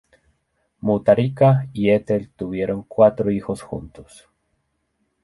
Mutharika y Ethel tuvieron cuatro hijos juntos.